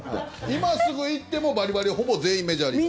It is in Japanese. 今すぐ行ってもバリバリほぼ全員メジャーリーガー。